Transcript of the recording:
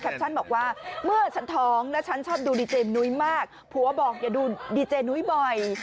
บอกว่าเมื่อฉันท้องแล้วฉันชอบดูดีเจนุ้ยมากผัวบอกอย่าดูดีเจนุ้ยบ่อย